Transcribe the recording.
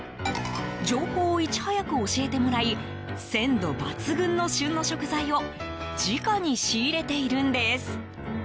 情報をいち早く教えてもらい鮮度抜群の旬の食材を直に仕入れているんです。